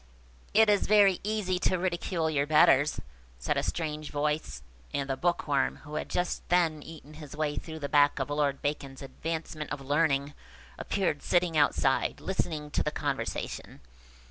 "It is very easy to ridicule your betters," said a strange voice; and the Bookworm, who had just then eaten his way through the back of Lord Bacon's Advancement of Learning, appeared sitting outside, listening to the conversation.